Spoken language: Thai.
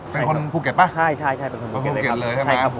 เป็นคนภูเก็ตป่ะใช่เป็นคนภูเก็ตเลยครับใช่ครับผม